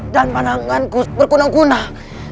dan pandanganku berkunah kunah